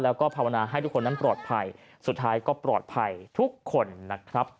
แล้วก็ภาวนาให้ทุกคนนั้นปลอดภัยสุดท้ายก็ปลอดภัยทุกคนนะครับ